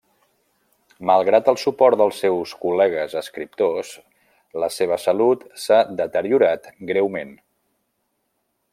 Malgrat el suport dels seus col·legues escriptors, la seva salut s'ha deteriorat greument.